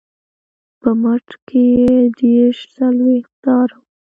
په مټ کې یې دېرش څلویښت تاره وه.